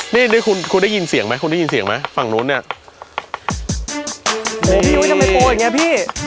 นี่คุณคุณได้ยินเสียงไหมคุณได้ยินเสียงไหมฝั่งนู้นเนี่ยโอ้พี่ยุ้ยทำไมกลัวอย่างเงี้พี่